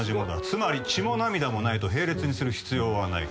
つまり「血も涙もない」と並列にする必要はない。